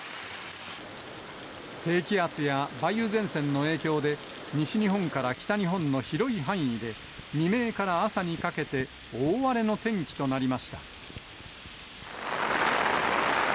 低気圧や梅雨前線の影響で、西日本から北日本の広い範囲で、未明から朝にかけて大荒れの天気となりました。